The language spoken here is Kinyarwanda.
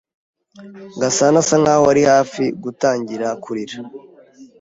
Gasana asa nkaho ari hafi gutangira kurira.